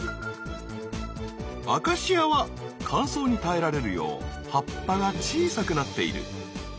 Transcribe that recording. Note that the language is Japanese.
アカシアは乾燥に耐えられるよう葉っぱが小さくなっている。